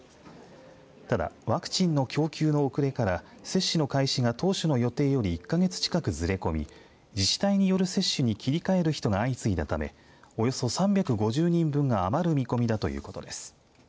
ただ、ワクチンの供給の遅れから接種の開始が当初の予定より１か月近くずれ込み自治体による接種に切り替える人が相次いだため、およそ３５０人分が余る見込みだということです。